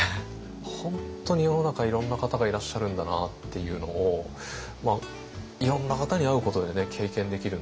本当に世の中いろんな方がいらっしゃるんだなっていうのをいろんな方に会うことでね経験できるんで。